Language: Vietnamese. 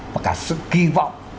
và cả sự kỳ vọng